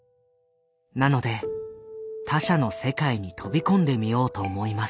なので他者の世界に飛び込んでみようと思います」。